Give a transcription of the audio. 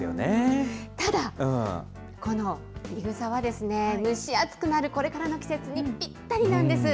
ただ、このいぐさは蒸し暑くなるこれからの季節にぴったりなんです。